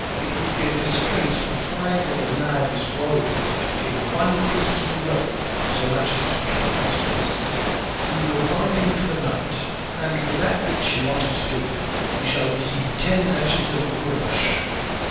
"It would be a disgrace for five of the Mahdi's warriors to fear one Christian whelp so much as to cut off his fist; we will bind him for the night, and for that which he wanted to do, he shall receive ten lashes of the courbash."